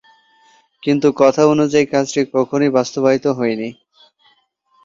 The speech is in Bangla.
কিন্তু কথা অনুযায়ী কাজটি কখনোই বাস্তবায়িত হয়নি।